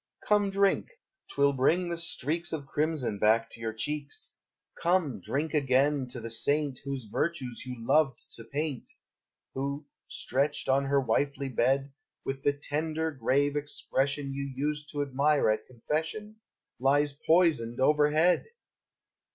Come, drink! 't will bring the streaks Of crimson back to your cheeks; Come, drink again to the saint Whose virtues you loved to paint, Who, stretched on her wifely bed, With the tender, grave expression You used to admire at confession, Lies poisoned, overhead!